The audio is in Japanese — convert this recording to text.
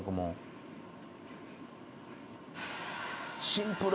シンプル！